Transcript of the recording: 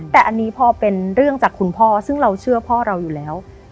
แต่อันนี้พอเป็นเรื่องจากคุณพ่อซึ่งเราเชื่อพ่อเราอยู่แล้ว